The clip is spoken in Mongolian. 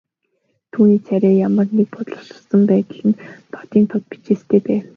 Түүний царайд ямар нэг бодлогоширсон байдал тодын тод бичээстэй байв.